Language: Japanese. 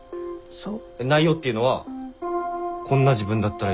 そう。